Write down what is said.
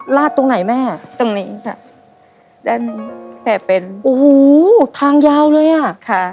ลาดตรงไหนแม่ตรงนี้ค่ะด้านแม่เป็นโอ้โหทางยาวเลยอ่ะค่ะ